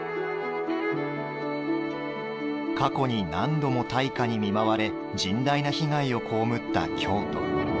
過去に何度も大火に見舞われ甚大な被害を被った京都。